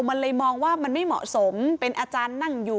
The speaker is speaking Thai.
มันเลยมองว่ามันไม่เหมาะสมเป็นอาจารย์นั่งอยู่